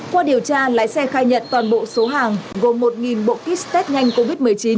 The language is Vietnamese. qua điều tra lái xe khai nhận toàn bộ số hàng gồm một bộ kit test nhanh covid một mươi chín